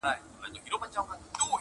همېشه به وه روان پکښي جنگونه٫